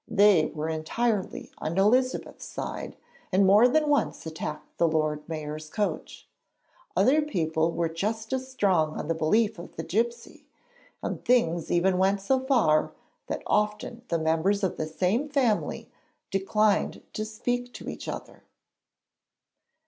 They were entirely on Elizabeth's side, and more than once attacked the Lord Mayor's coach. Other people were just as strong on behalf of the gipsy, and things even went so far that often the members of the same family declined to speak to each other.